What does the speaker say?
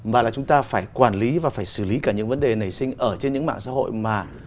mà là chúng ta phải quản lý và phải xử lý cả những vấn đề nảy sinh ở trên những mạng xã hội mà